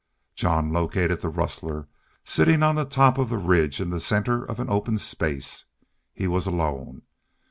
Jean located the rustler sitting on the top of the ridge in the center of an open space. He was alone.